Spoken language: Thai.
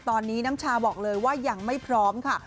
ตอนนี้น้ำชาบอกเลยว่ายังไม่พร้อมค่ะ